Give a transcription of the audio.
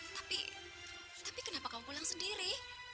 tapi tapi kenapa kau pulang sendiri